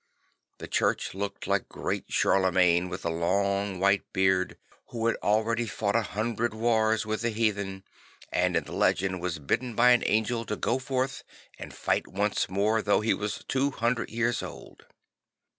The Church looked like great Charlemagne with the long white beard, who had already fought a hundred wars with the heathen, and in the legend was bidden by an angel to go forth and fight once more though he was two hundred years old.